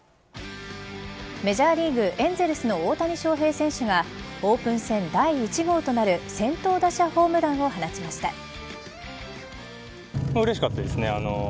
メジャーリーグエンゼルスの大谷翔平選手がオープン戦第１号となる先頭打者ホームランを放ちました。